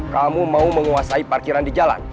kamu mau menguasai parkiran di jalan